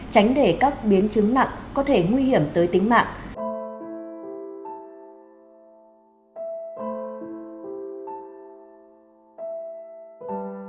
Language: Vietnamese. tránh để các biến chứng nặng có thể nguy hiểm tới tính mạng